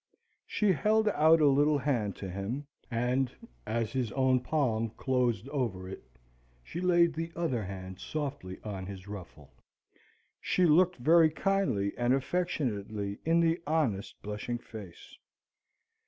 She held out a little hand to him, and, as his own palm closed over it, she laid the other hand softly on his ruffle. She looked very kindly and affectionately in the honest blushing face.